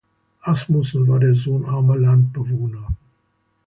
Asmussen war der Sohn armer Landbewohner.